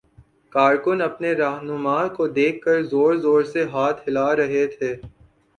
کارکن اپنے راہنما کو دیکھ کر زور زور سے ہاتھ ہلا رہے تھے۔